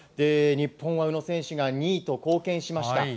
日本は宇野選手が２位と貢献しました。